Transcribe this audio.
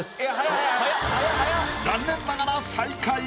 残念ながら最下位。